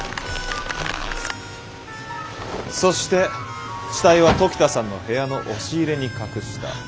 そして死体は時田さんの部屋の押し入れに隠した。